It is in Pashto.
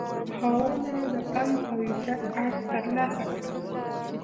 له هغو نه د پند او عبرت اړخ ترلاسه کړي.